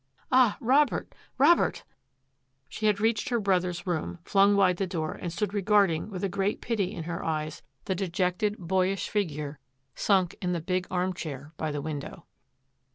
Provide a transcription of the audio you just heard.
Ah, Robert, Robert !" She had reached her brother's room, flung wide the door, and stood regarding, with a great pity in her eyes, the dejected, boyish figure sunk in the big armchair by the window.